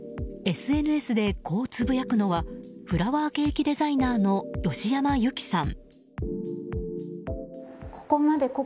ＳＮＳでこうつぶやくのはフラワーケーキデザイナーの義山友紀さん。